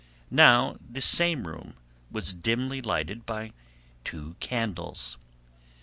Now this same room was dimly lighted by two candles.